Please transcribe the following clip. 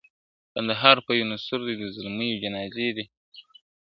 کندهار په وینو سور دی د زلمیو جنازې دي ..